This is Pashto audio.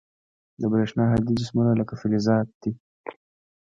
د برېښنا هادي جسمونه لکه فلزات دي.